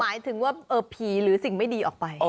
หมายถึงว่าผีหรือสิ่งไม่ดีออกไป